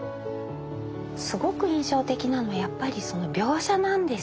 すごく印象的なのはやっぱりその描写なんですよね。